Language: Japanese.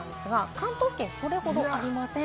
関東付近はそれほどありません。